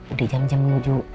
udah jam jam menuju